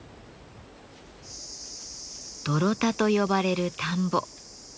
「泥田」と呼ばれる田んぼ。